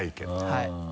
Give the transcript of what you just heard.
はい。